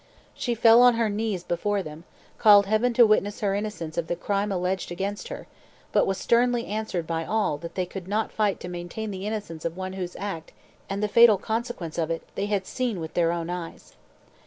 She fell on her knees before them, called heaven to witness her innocence of the crime alleged against her, but was sternly answered by all that they could not fight to maintain the innocence of one whose act, and the fatal consequence of it, they had seen with their own eyes.